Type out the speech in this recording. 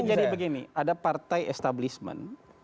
jadi begini ada partai establishment